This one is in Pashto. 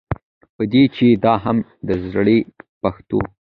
په دې چې دا هم د زړې پښتو